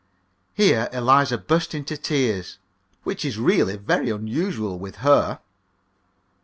Here Eliza burst into tears which is really very unusual with her.